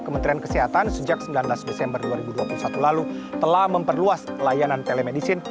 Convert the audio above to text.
kementerian kesehatan sejak sembilan belas desember dua ribu dua puluh satu lalu telah memperluas layanan telemedicine